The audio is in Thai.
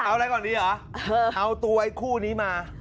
เอาอะไรก่อนดีเหรอเอาตัวไอ้คู่นี้มา